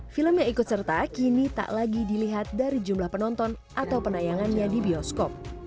film yang ikut serta kini tak lagi dilihat dari jumlah penonton atau penayangannya di bioskop